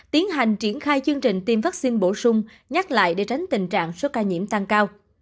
tiến hành triển khai chương trình tiêm vaccine bổ sung nhắc lại để tránh tình trạng số ca nhiễm tăng cao